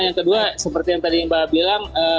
yang kedua seperti yang tadi mbak bilang